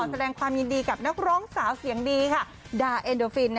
แสดงความยินดีกับนักร้องสาวเสียงดีค่ะดาเอ็นเดอร์ฟิน